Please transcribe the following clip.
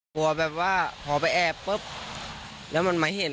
กลัวแบบว่าพอไปแอบปุ๊บแล้วมันมาเห็น